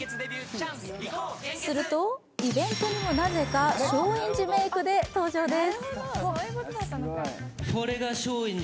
すると、イベントにもなぜか松陰寺メークで登場です。